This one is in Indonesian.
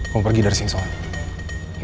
gue mau pergi dari sini soal ini